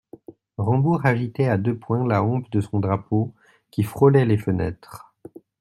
Rambourg agitait à deux poings la hampe de son drapeau, qui frôlait les fenêtres.